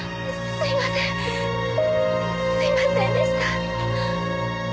すみませんでした！